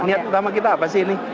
niat utama kita apa sih ini